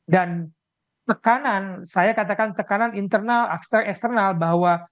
dan tekanan saya katakan tekanan internal eksternal bahwa